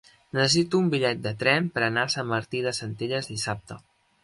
Necessito un bitllet de tren per anar a Sant Martí de Centelles dissabte.